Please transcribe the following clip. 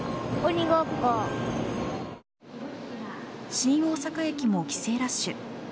新大阪駅も帰省ラッシュ。